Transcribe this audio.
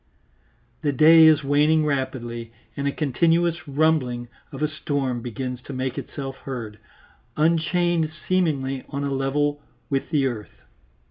The day is waning rapidly, and a continuous rumbling of a storm begins to make itself heard, unchained seemingly on a level with the earth.